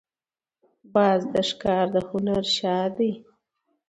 باز د ښکار د هنر شاه دی